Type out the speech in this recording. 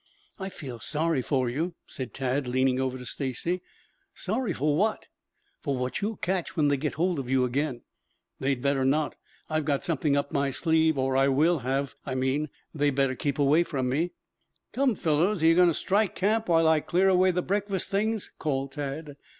"I feel sorry for you," said Tad leaning over to Stacy. "Sorry for what?" "For what you'll catch when they get hold of you again." "They'd better not. I've got something up my sleeve, or I will have, I mean. They'd better keep away from me." "Come, fellows, are you going to strike camp while I clear away the breakfast things?" called Tad.